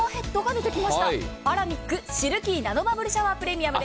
アラミックシルキーナノバブルシャワープレミアムです。